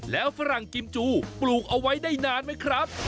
แล้วฝรั่งกิมจูปลูกเอาไว้ได้นานไหมครับ